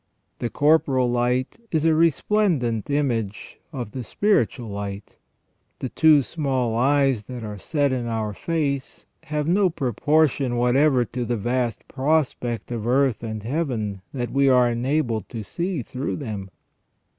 The corporal light is a resplendent image of the spiritual light. The two small eyes that are set in our face have no pro portion whatever to the vast prospect of earth and Heaven that we are enabled to see through them.